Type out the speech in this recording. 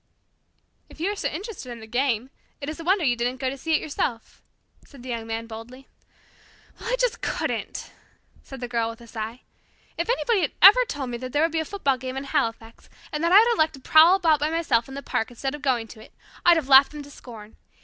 "If you are so interested in the game, it is a wonder you didn't go to see it yourself," said the Young Man boldly. "Well, I just couldn't," said the Girl with a sigh. "If anybody had ever told me that there would be a football game in Halifax, and that I would elect to prowl about by myself in the park instead of going to it, I'd have laughed them to scorn.